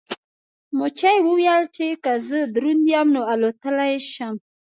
مچۍ وویل چې که زه دروند یم نو الوتلی شم.